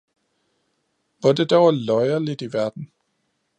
Hvor det dog er løjerligt i verden!